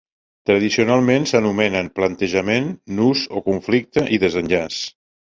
Tradicionalment s'anomenen: plantejament, nus o conflicte i desenllaç.